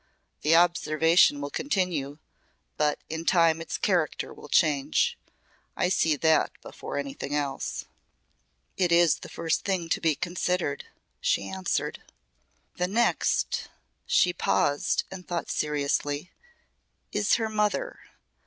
The observation will continue, but in time its character will change. I see that before anything else." "It is the first thing to be considered," she answered. "The next " she paused and thought seriously, "is her mother.